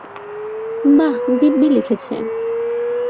– বাঃ দিব্যি লিখেছে!